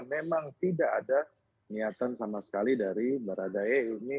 memang tidak ada niatan sama sekali dari baradae ini